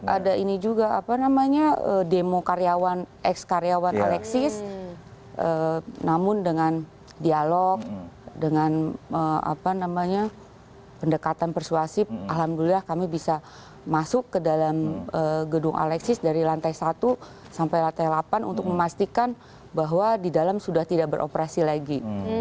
ada ini juga apa namanya demo karyawan ex karyawan alexis namun dengan dialog dengan pendekatan persuasi alhamdulillah kami bisa masuk ke dalam gedung alexis dari lantai satu sampai lantai delapan untuk memastikan bahwa di dalam sudah tidak beroperasi lagi